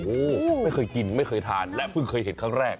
โอ้โหไม่เคยกินไม่เคยทานและเพิ่งเคยเห็นครั้งแรก